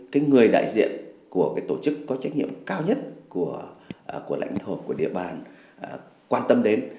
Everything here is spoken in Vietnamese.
cái người đại diện của cái tổ chức có trách nhiệm cao nhất của lãnh thổ của địa bàn quan tâm đến